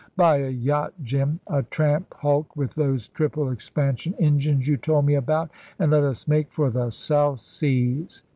Buy a yacht, Jim a tramp hulk with those triple expansion engines you told me about, and let us make for the South Seas.